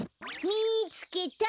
みつけた。